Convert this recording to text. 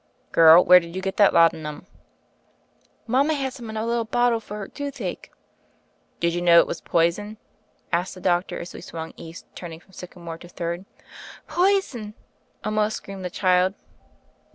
"Girl, where did you get that laudanum?" "Mama had some in a little bottle for her toothache." "Did you know it was poison?" asked the doctor, as we swung east, turning from Syca more to Third. "Poison 1 1 !" almost screamed the child.